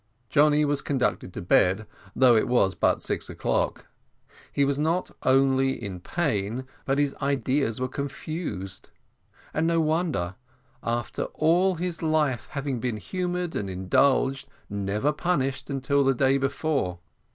Johnny was conducted to bed, although it was but six o'clock. He was not only in pain, but his ideas were confused; and no wonder, after all his life having been humoured and indulged never punished until the day before.